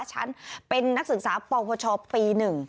ฉันเป็นนักศึกษาปวชปี๑